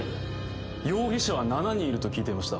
容疑者は７人いると聞いていました。